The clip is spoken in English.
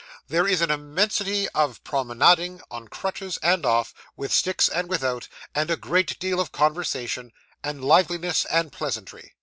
There is an immensity of promenading, on crutches and off, with sticks and without, and a great deal of conversation, and liveliness, and pleasantry.